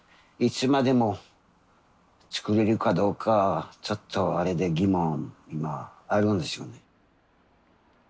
いつまでもつくれるかどうかちょっとあれで疑問今あるんですよね。